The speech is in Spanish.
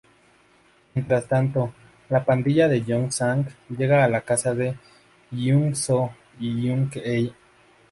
Mientras tanto, la pandilla de Joong-sang llega a la casa de Hyun-soo y Eun-hye.